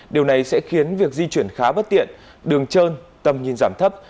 điều này sẽ khiến việc di chuyển khá bất tiện đường trơn tầm nhìn giảm thấp